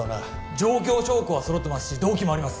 状況証拠はそろってますし動機もあります。